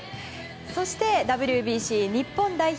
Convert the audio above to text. そしてＷＢＣ日本代表